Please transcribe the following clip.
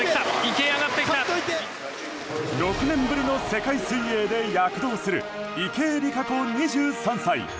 ６年ぶりの世界水泳で躍動する池江璃花子、２３歳。